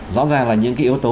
rõ ràng là những cái yếu tố